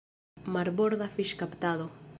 Marborda fiŝkaptado.